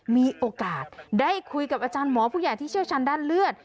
มีโอกาสได้คุยกับอาจารย์หมอผู้ใหญ่ที่เชี่ยวชาญด้านเลือด